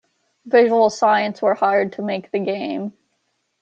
Visual Science were hired to make the game.